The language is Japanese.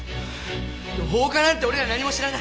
放火なんて俺ら何も知らな。